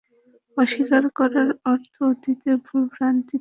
অস্বীকার করার অর্থ অতীতের ভুলভ্রান্তি থেকে শেখার কিছু নেই—এ ধারণা পোষণ করা।